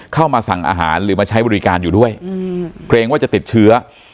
เข้ามาสั่งอาหารหรือมาใช้บริการอยู่ด้วยเกรงว่าจะติดเชื้อ